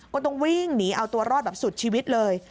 ก็ต้องวิ่งหนีเอาตัวรอดแบบสุดชีวิตเลย